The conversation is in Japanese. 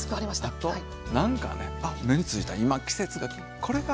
あと何かねあっ目についた今季節がこれがあるなって。